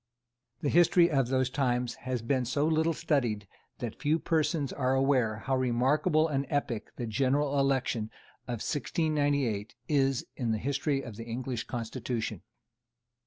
The history of those times has been so little studied that few persons are aware how remarkable an epoch the general election of 1698 is in the history of the English Constitution.